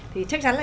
thì chắc chắn là